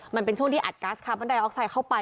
มันเป็นช่วงที่อัดกัสคาร์บอนไดออกไซด์เข้าไป